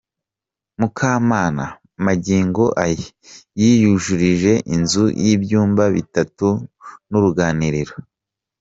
Mukamana magingo aya yiyujurije inzu y’ibyumba bitatu n’uruganiriro.